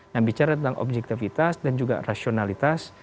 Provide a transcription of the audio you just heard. nah bicara tentang objektifitas dan juga rasionalitas